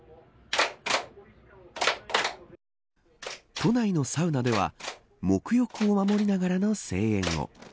都内のサウナでは黙浴を守りながらの声援も。